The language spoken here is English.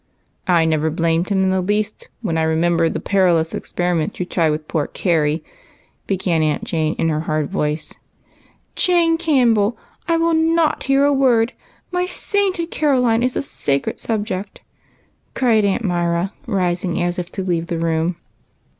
I never blamed him in the least, when I remember the perilous experiments you tried with poor Carrie," began Mrs. Jane, in her hard voice. " Jane Campbell, I will not hear a word ! My sainted AUNTS. 41 Caroline is a sacred subject," cried Aunt Myra, rising as if to leave the room.